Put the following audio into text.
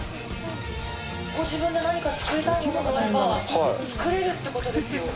ご自分で何か作りたいものがあれば、作れるってことですよ。